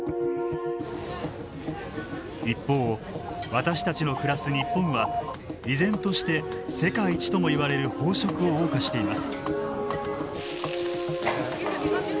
一方私たちの暮らす日本は依然として世界一ともいわれる飽食を謳歌しています。